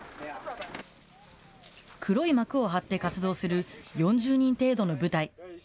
黒い幕を張って活動する４０人程度の部隊。